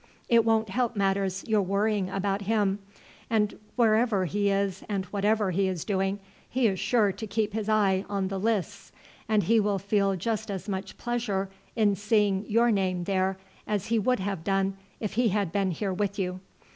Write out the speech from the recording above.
It won't help matters your worrying about him, and wherever he is and whatever he is doing he is sure to keep his eye on the lists, and he will feel just as much pleasure in seeing your name there as he would have done if he had been here with you.